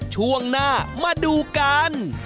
ช่วงหน้ามาดูกัน